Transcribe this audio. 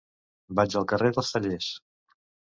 Vaig al carrer dels Tallers.